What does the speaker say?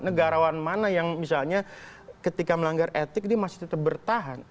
negarawan mana yang misalnya ketika melanggar etik dia masih tetap bertahan